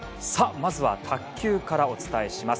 まずは卓球からお伝えします。